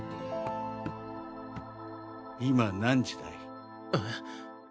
今何時だい？え？